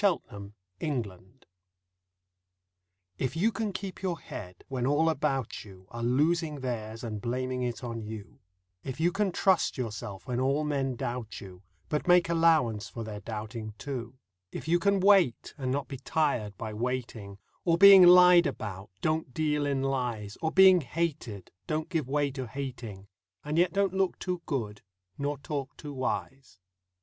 Rudyard Kipling IF IP you can keep your head when all about you Are losing theirs and blaming it on you ; If you can trust yourself when all men doubt you, But make allowance for their doubting too ; If you can wait and not be tired by waiting, Or being lied about, don't deal in lies, Or being hated don't give way to hating, And yet don't look too good, nor talk too wise.